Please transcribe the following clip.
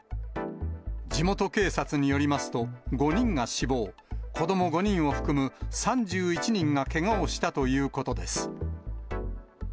地元警察によりますと、５人が死亡、子ども５人を含む３１人がけがをしたということです。